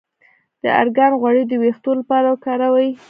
د ارګان غوړي د ویښتو لپاره وکاروئ